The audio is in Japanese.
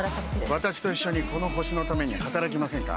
私と一緒にこの星のために働きませんか？